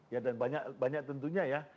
ya dan banyak tentunya ya